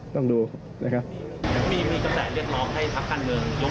พี่มีกระแสเรียกร้องให้ภักษ์การเมือง